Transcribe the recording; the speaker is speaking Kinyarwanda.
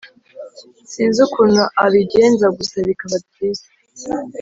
sinzi ukuntu abigenza gusa bikaba byiza